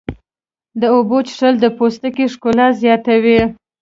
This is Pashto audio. د اوبو څښل د پوستکي ښکلا زیاتوي.